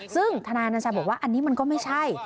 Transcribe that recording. ซึ่งธนายนัญชัยบอกว่าอันนี้มันก็ไม่ใช่